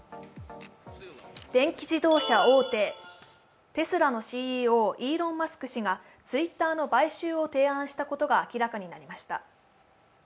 電気自動車大手、テスラのＣＥＯ、イーロン・マスク氏がツイッターの買収を提案したことが明らかになりました。